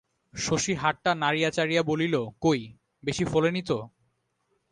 শশী হাতটা নাড়িয়া চাড়িয়া বলিল, কই, বেশি ফোলেনি তো?